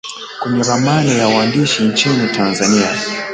Kwenye ramani ya uandishi nchini Tanzania